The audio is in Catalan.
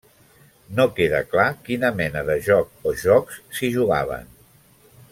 No queda clar quina mena de joc o jocs s'hi jugaven.